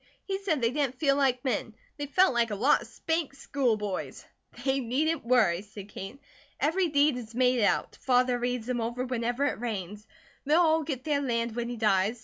He said they didn't feel like men, they felt like a lot of 'spanked school boys.'" "They needn't worry," said Kate. "Every deed is made out. Father reads them over whenever it rains. They'll all get their land when he dies.